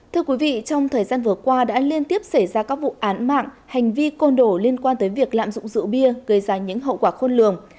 thưa quý vị trong thời gian vừa qua đã liên tiếp xảy ra các vụ án mạng hành vi côn đổ liên quan tới việc lạm dụng rượu bia gây ra những hậu quả khôn lường